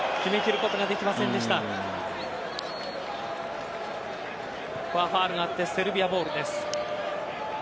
ここはファウルがあってセルビアボールです。